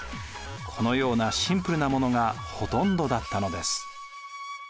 このようなシンプルなものがほとんどだったのです。